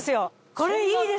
これいいです！